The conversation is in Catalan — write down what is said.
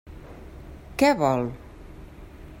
Què vol?